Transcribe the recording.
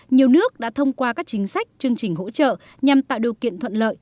nhiều nước đã thông qua các chính sách chương trình hỗ trợ nhằm tạo điều kiện thuận lợi